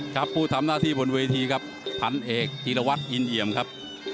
ครับผู้ทำหน้าที่บนเวทีครับพันธุ์เอกจิลวัฒน์อินเหยียมครับ